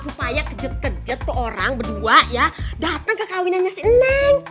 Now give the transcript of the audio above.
supaya kejut kejet tuh orang berdua ya datang ke kawinannya si enam